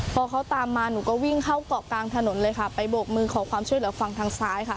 พอเขาตามมาหนูก็วิ่งเข้าเกาะกลางถนนเลยค่ะไปโบกมือขอความช่วยเหลือฝั่งทางซ้ายค่ะ